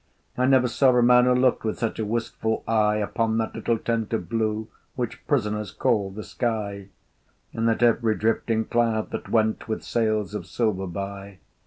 I never saw a man who looked With such a wistful eye Upon that little tent of blue Which prisoners call the sky, And at every drifting cloud that went With sails of silver by.